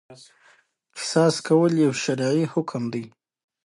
له همدې امله حقوق په عامو قاعدو بدلیږي.